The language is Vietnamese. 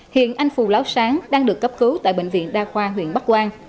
hiện anh phùng láo sáng đang được cấp cứu tại bệnh viện đa khoa huyện bắc quang